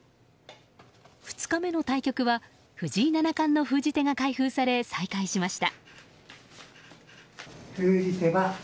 ２日目の対局は藤井七冠の封じ手が開封され再開しました。